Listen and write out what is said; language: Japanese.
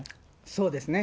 そうですね。